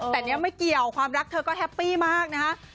แต่เนี่ยไม่เกี่ยวความรักเธอก็แฮปปี้มากนะคะ